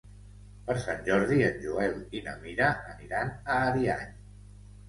Per Sant Jordi en Joel i na Mira aniran a Ariany.